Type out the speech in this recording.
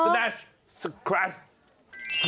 แล้วสแนชสคราช